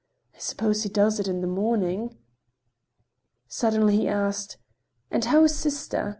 I suppose he does it in the morning." Suddenly he asked: "And how is sister?